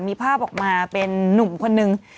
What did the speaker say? มีภาพออกมาเป็นนุ่มคนนึง